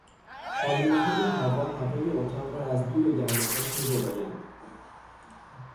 پالونههای هوا هوای اتاق را از دود و گرد و خاک میزدایند.